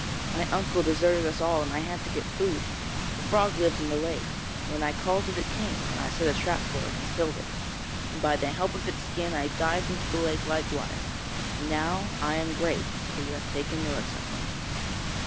My uncle deserted us all, and I had to get food. The frog lived in the lake, and when I called it, it came, and I set a trap for it and killed it; and by the help of its skin I dived into the lake likewise, and now I am great, for you have taken notice of me.'